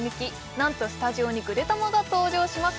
なんとスタジオにぐでたまが登場します